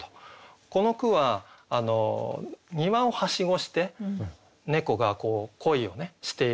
この句は庭をはしごして猫が恋をしていると。